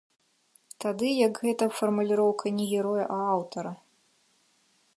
Тады як гэта фармуліроўка не героя, а аўтара.